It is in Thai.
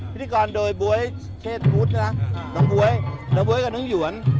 พิธีกรโดยบ๊วยเชศพุทธน้องบ๊วยกับน้องหยวน